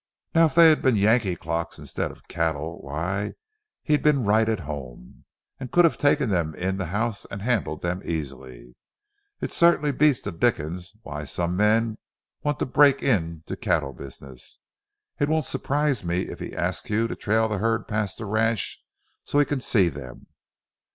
Now, if they had been Yankee clocks instead of cattle, why, he'd been right at home, and could have taken them in the house and handled them easily. It certainly beats the dickens why some men want to break into the cattle business. It won't surprise me if he asks you to trail the herd past the ranch so he can see them.